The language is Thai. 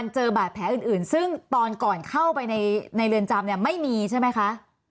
เจอบาดแผลอื่นซึ่งตอนก่อนเข้าไปในเรือนจำเนี่ยไม่มีใช่ไหมคะ